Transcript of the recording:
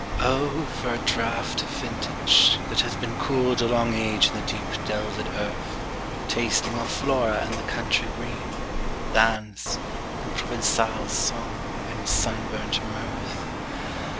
O for a draught of vintage, that hath been Cooled a long age in the deep delved earth, Tasting of Flora and the country green, Dance, and Provençal song, and sunburnt mirth!